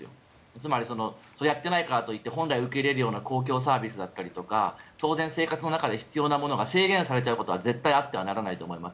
つまり、やってないからといって本来受けられるような公共サービスだったりとか生活の中で必要なものが制限されちゃうことは絶対にあってはならないと思います。